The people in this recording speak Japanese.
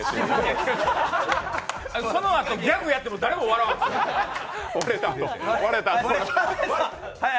そのあとギャグやっても誰も笑わない。